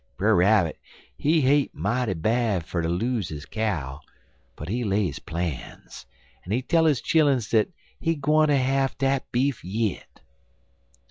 "Brer Rabbit, he hate mighty bad fer ter lose his cow, but he lay his plans, en he tell his chilluns dat he gwineter have dat beef yit.